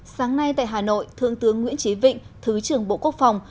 sáng nay tại hà nội thượng tướng nguyễn trí vịnh thứ trưởng bộ quốc phòng